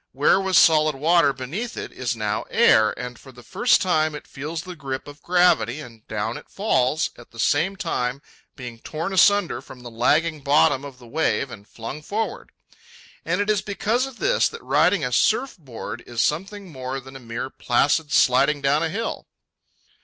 Where was solid water beneath it, is now air, and for the first time it feels the grip of gravity, and down it falls, at the same time being torn asunder from the lagging bottom of the wave and flung forward. And it is because of this that riding a surf board is something more than a mere placid sliding down a hill.